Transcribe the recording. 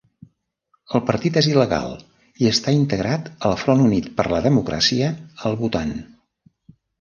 El partit és il·legal i està integrat al Front Unit per la Democràcia al Bhutan.